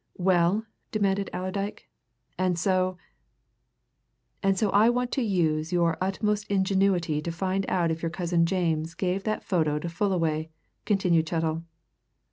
"Well?" demanded Allerdyke. "And so " "And so I want you to use your utmost ingenuity to find out if your cousin James gave that photo to Fullaway," continued Chettle.